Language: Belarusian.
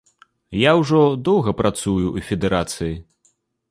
Я ўжо доўга працую ў федэрацыі.